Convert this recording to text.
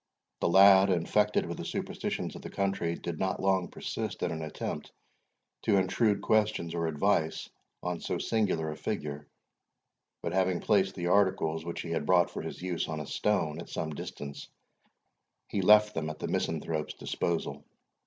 The lad, infected with the superstitions of the country, did not long persist in an attempt to intrude questions or advice on so singular a figure, but having placed the articles which he had brought for his use on a stone at some distance, he left them at the misanthrope's disposal.